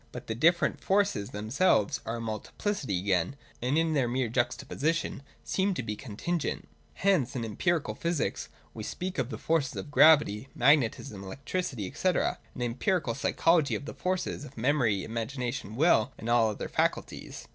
But the dif ferent forces themselves are a multiplicity again, and in their mere juxtaposition seem to be contingent. Hence in em pirical physics, we speak of the forces of gravity, magnetism, electricity, &c., and in empirical psychology of the forces of memory, imagination, will, and all the other faculties.